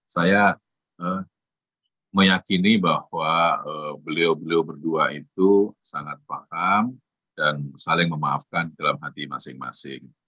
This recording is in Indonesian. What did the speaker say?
saya meyakini bahwa beliau beliau berdua itu sangat paham dan saling memaafkan dalam hati masing masing